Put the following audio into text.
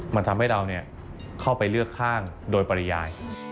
มันทำให้เราเข้าไปเลือกข้างโดยปริยาย